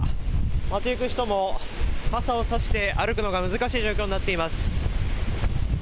街行く人も傘を差して歩くのが難しい状況になっています。